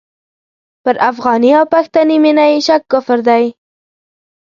پر افغاني او پښتني مینه یې شک کفر دی.